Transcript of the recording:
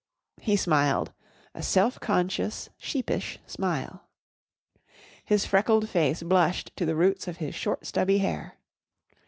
He smiled a self conscious, sheepish smile. His freckled face blushed to the roots of his short stubby hair.